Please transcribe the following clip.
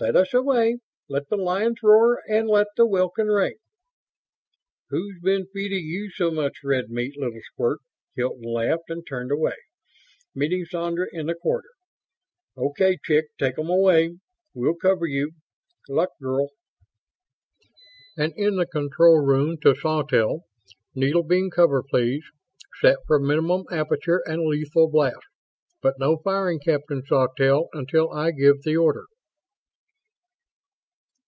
"Let us away! Let the lions roar and let the welkin ring!" "Who's been feeding you so much red meat, little squirt?" Hilton laughed and turned away, meeting Sandra in the corridor. "Okay, chick, take 'em away. We'll cover you. Luck, girl." And in the control room, to Sawtelle, "Needle beam cover, please; set for minimum aperture and lethal blast. But no firing, Captain Sawtelle, until I give the order."